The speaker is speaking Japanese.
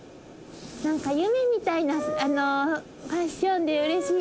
何か夢みたいなファッションでうれしいです。